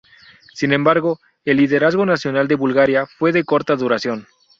Sin embargo, el liderazgo nacional de Bulgaria fue de corta duración.